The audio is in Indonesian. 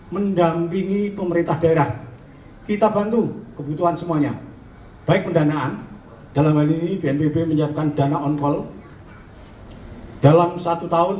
mendampingi lembaga lembaga yang lain untuk selalu berkoordinasi kemudian kita melakukan perkuatan